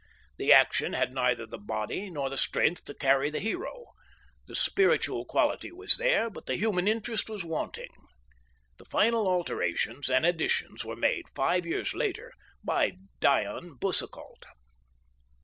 The action had neither the body nor the strength to carry the hero; the spiritual quality was there, but the human interest was wanting. The final alterations and additions were made five years later by Dion Boucicault.